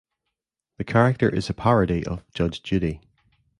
The character is a parody of "Judge Judy".